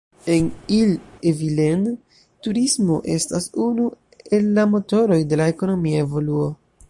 En Ille-et-Vilaine, turismo estas unu el la motoroj de la ekonomia evoluo.